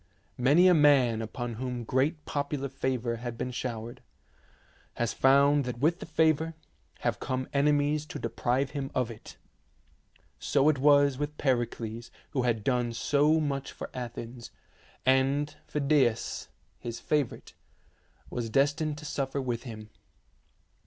Many a man upon whom great popular favour has been showered, has found that with the favour have come enemies to deprive him of it. So it was with Pericles who had done so much for Athens, 86 THE SEVEN WONDERS and Phidias, his favourite, was destined to suffer with him.